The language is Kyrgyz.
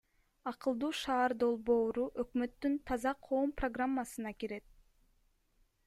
Акылдуу шаар долбоору өкмөттүн Таза коом программасына кирет.